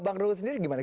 bang ruhut sendiri gimana